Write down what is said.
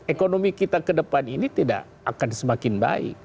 ekonomi kita ke depan ini tidak akan semakin baik